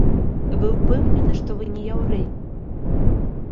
Вы ўпэўнены, што вы не яўрэй?